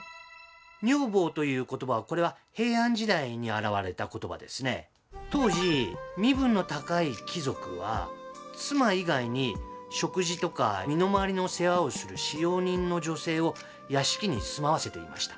「女房」という言葉はこれは当時身分の高い貴族は妻以外に食事とか身の回りの世話をする使用人の女性を屋敷に住まわせていました。